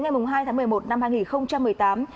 ngày hai tháng một mươi một năm hai nghìn một mươi tám